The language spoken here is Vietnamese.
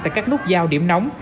tại các nút giao điểm nóng